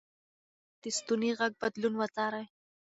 د ماشوم د ستوني غږ بدلون وڅارئ.